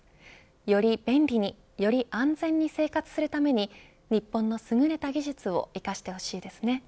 より便利により安全に生活するために日本のすぐれた技術を生かしてほしいですね。